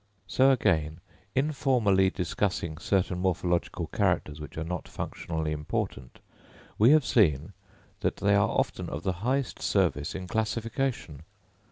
So again, in formerly discussing certain morphological characters which are not functionally important, we have seen that they are often of the highest service in classification.